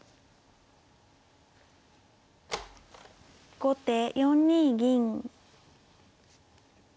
後手４二銀。